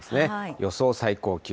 予想最高気温。